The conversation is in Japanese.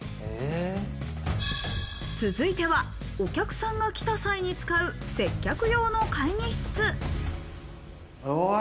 続いては、お客さんが来た際に使う、接客用の会議室。